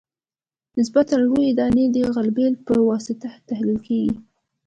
نسبتاً لویې دانې د غلبیل په واسطه تحلیل کیږي